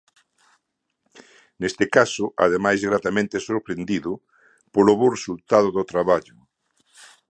Neste caso ademais gratamente sorprendido polo bo resultado do traballo.